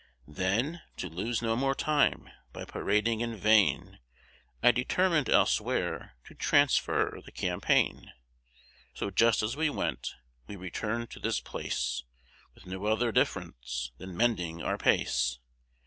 Then, to lose no more time, by parading in vain, I determin'd elsewhere to transfer the campaign; So just as we went, we return'd to this place, With no other diff'rence, than mending our pace.